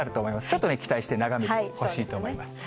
ちょっと期待して眺めてほしいと思います。